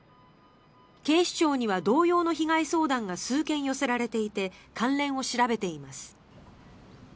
警視庁には同様の被害相談が数件寄せられていて関連を調べています。